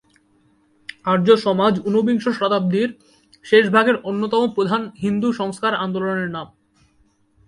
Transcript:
আর্য সমাজ ঊনবিংশ শতাব্দীর শেষভাগের অন্যতম প্রধান হিন্দু সংস্কার আন্দোলনের নাম।